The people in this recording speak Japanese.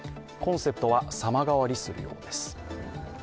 コンセプトは様変わりするようです。